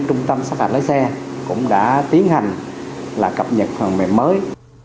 trung tâm sát hạch lái xe cũng đã tiến hành cập nhật phần mềm mới